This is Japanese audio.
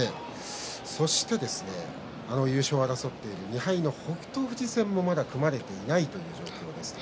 そして優勝を争っている２敗の北勝富士戦もまだ組まれていないという状況です。